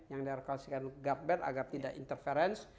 yang dikasihkan guard band agar tidak interference